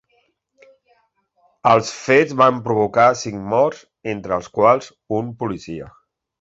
Els fets van provocar cinc morts, entre els quals un policia.